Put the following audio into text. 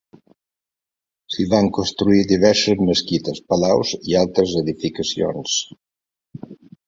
S'hi van construir diverses mesquites, palaus i altres edificacions.